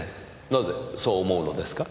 なぜそう思うのですか？